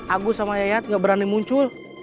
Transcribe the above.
agus sama yayat gak berani muncul